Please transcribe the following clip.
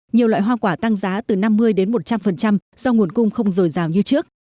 nhiều loại hoa quả tăng giá từ năm mươi đến một trăm linh do nguồn cung không dồi dào như trước